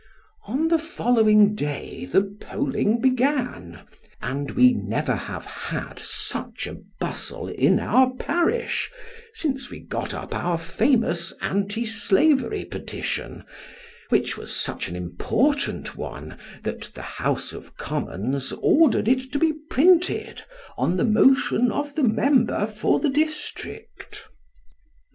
On the following day the polling began, and we never have had such a bustle in our parish sine* we got up our famous anti slavery 1 8 Sketches by JBoz. petition, which was such an important one, that the House of Commons ordered it to be printed, on the motion of the member for the district.